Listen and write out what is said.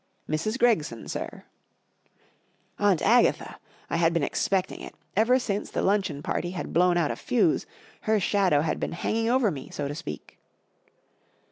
" Mrs. Gregson, sir/' Aunt Agatha ! 1 had been expecting it. Ever since the lunch eon party had blown out a fuse, her shadow had been hanging over me, so to speak.